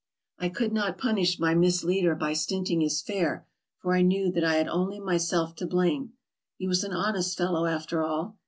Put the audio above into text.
I could not punish my misleader by stinting his fare, for I knew that I had only myself to blame. He was an hon est fellow after all.